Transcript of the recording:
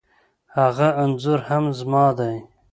هغه انخورهم زما دی